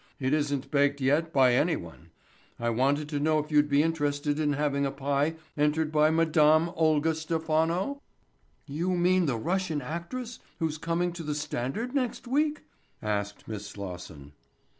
It isn't baked yet by anyone. I wanted to know if you'd be interested in having a pie entered by Madame Olga Stephano?" "You mean the Russian actress who's coming to the Standard next week?" asked Miss Slosson.